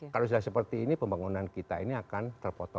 kalau sudah seperti ini pembangunan kita ini akan terpotong